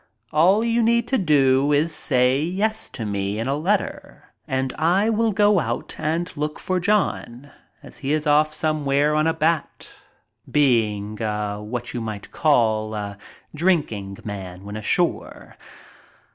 All you need do is say yes to me in a letter and I will go out and look for John as he is off somewhere on a bat, being a what you might call a drinking man when ashore.